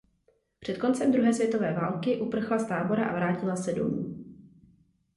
Před koncem druhé světové války uprchla z tábora a vrátila se domů.